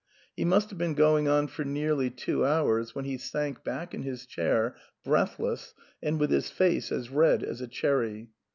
He must have been going on for nearly two hours when he sank back in his chair, breathless, and with his face as red as a cherry.